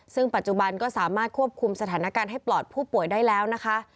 ซึ่งปัจจุบันก็สามารถควบคุมสถานการณ์ให้ปลอดผู้ป่วยได้แล้วนะคะ